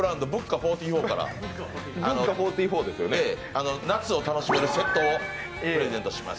４４から夏を楽しめるセットをプレゼントします。